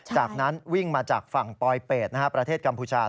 จากนั้นวิ่งมาจากฝั่งปลอยเป็ดประเทศกัมพูชา